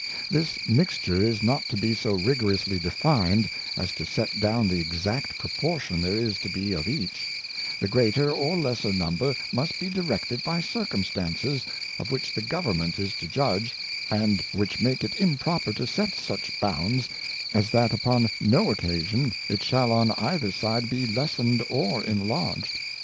This Mixture is not to be so rigorously defined, as to set down the exact Proportion there is to be of each ; the greater or lesser Number must be directed by Circumstances, of which the Government is to Judge, and which make it improper to set such Bounds, as that upon no occasion it shall on either side be lessened or enlarged.